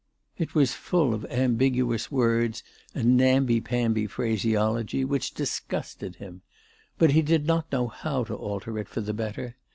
It was full of ambiguous words and namby pamby phraseology which disgusted him. But he did not know how to alter it for the better.